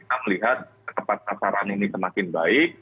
kita melihat ketepat sasaran ini semakin baik